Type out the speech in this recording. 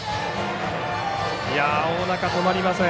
大仲、止まりません。